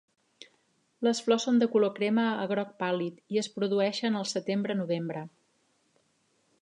Les flors són de color crema a groc pàl·lid i es produeixen al setembre-novembre.